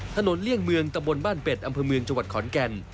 เลี่ยงเมืองตะบนบ้านเป็ดอำเภอเมืองจังหวัดขอนแก่น